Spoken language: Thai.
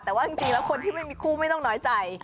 แต่ว่าจริงแล้วคนที่ไม่มีคู่ไม่ต้องน้อยใจ